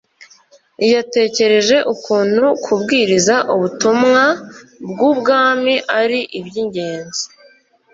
yatekereje ukuntu kubwiriza ubutumwa bw ubwami ari iby ingenzi